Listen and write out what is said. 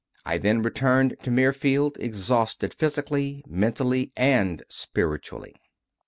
I then returned to Mirfield, exhausted physically, mentally, and spiritually.